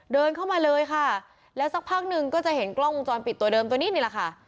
เดินเข้ามาเลยค่ะแล้วสักพักหนึ่งก็จะเห็นกล้องวงจรปิดตัวเดิมตัวนี้นี่แหละค่ะ